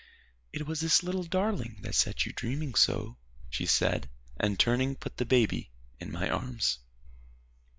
"It was this little darling that set you dreaming so," she said, and turning, put the baby in my arms.